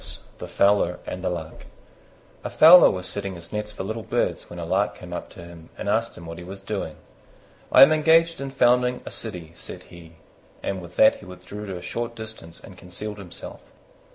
THE FOWLER AND THE LARK A Fowler was setting his nets for little birds when a Lark came up to him and asked him what he was doing. "I am engaged in founding a city," said he, and with that he withdrew to a short distance and concealed himself.